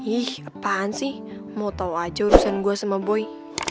ih apaan sih mau tau aja urusan gue sama boy